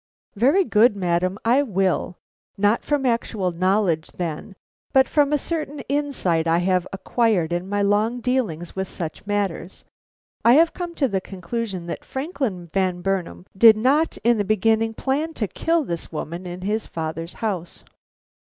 "Very good, madam, I will. Not from actual knowledge, then, but from a certain insight I have acquired in my long dealing with such matters, I have come to the conclusion that Franklin Van Burnam did not in the beginning plan to kill this woman in his father's house.